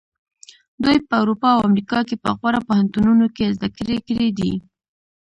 دوی په اروپا او امریکا کې په غوره پوهنتونونو کې زده کړې کړې دي.